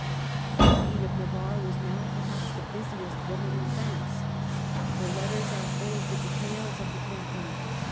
The Queen of Navarre was now, perhaps, the busiest woman in France. Her letters are full of the details of the cam paign.